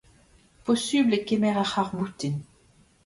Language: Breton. Posupl eo kemer ar c’harr-boutin.